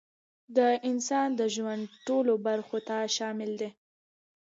د انسان د ژوند ټولو برخو ته شامل دی،